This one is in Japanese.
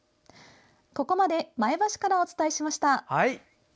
ここまで前橋からお伝えしました。